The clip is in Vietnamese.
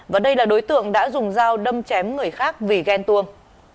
và đây là đối tượng đã dùng dao đâm chém người khác vì ghen tuông